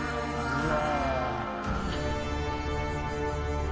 うわ。